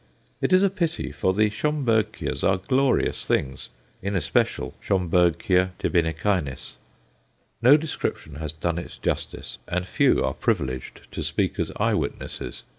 It is a pity, for the Schomburgkias are glorious things in especial Sch. tibicinis. No description has done it justice, and few are privileged to speak as eye witnesses.